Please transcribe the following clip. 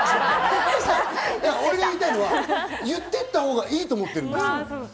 俺が言いたいのは言ってったほうがいいと思うんです。